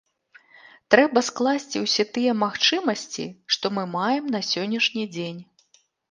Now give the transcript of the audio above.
Трэба скласці ўсе тыя магчымасці, што мы маем на сённяшні дзень.